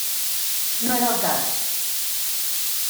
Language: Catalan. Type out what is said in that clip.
No era el cas.